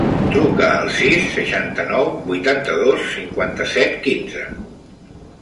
Truca al sis, seixanta-nou, vuitanta-dos, cinquanta-set, quinze.